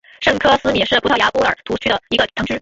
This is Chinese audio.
圣科斯米是葡萄牙波尔图区的一个堂区。